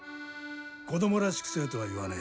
子供らしくせえとは言わねえ。